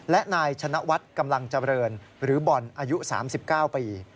และนายชนะวัฒน์กำลังเจริญหรือบอลอายุ๓๙ปี